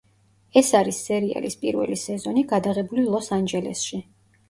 ეს არის სერიალის პირველი სეზონი, გადაღებული ლოს-ანჯელესში.